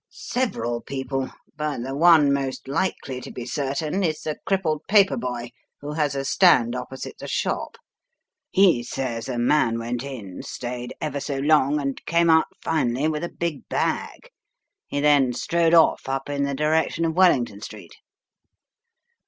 "Several people, but the one most likely to be cer tain is the crippled paper boy who has a stand oppo site the shop. He says a man went in, stayed ever so long, and came out finally with a big bag. He then strode off up in the direction of Wellington Street."